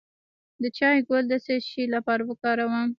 د چای ګل د څه لپاره وکاروم؟